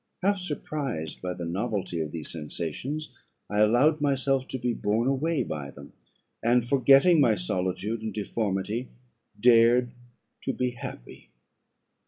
Half surprised by the novelty of these sensations, I allowed myself to be borne away by them; and, forgetting my solitude and deformity, dared to be happy.